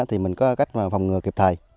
thì mình có cách phòng ngừa kịp thời